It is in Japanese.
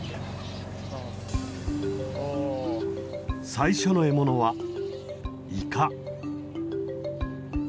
最初の獲物はイカ。